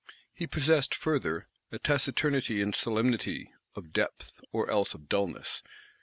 He possessed, further, a taciturnity and solemnity; of depth, or else of dulness.